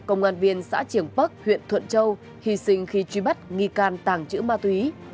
ủy viên xã triển bắc huyện thuận châu hy sinh khi truy bắt nghi can tàng trữ ma túy